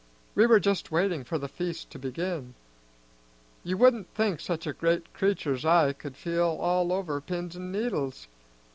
We were just waiting for the feast to begin. "You wouldn't think such a great creatur' 's I be could feel all over pins an' needles.